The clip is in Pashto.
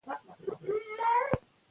اقتصاد د عرضه او تقاضا قوانین تشریح کوي.